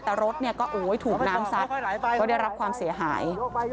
แต่รถเนี่ยก็ถูกน้ำซัดก็ได้รับความเสียหาย